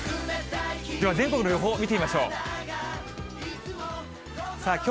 では全国の予報、見てみましょう。